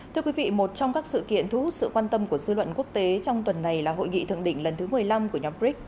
thưa quý vị một trong các sự kiện thu hút sự quan tâm của dư luận quốc tế trong tuần này là hội nghị thượng đỉnh lần thứ một mươi năm của nhóm bric